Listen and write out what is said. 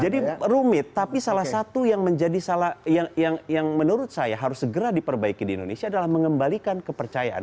jadi rumit tapi salah satu yang menurut saya harus segera diperbaiki di indonesia adalah mengembalikan kepercayaan